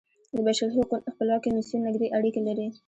د بشري حقونو خپلواک کمیسیون نږدې اړیکې لري.